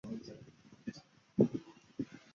安菲翁和仄忒斯在击败狄耳刻成为底比斯新君。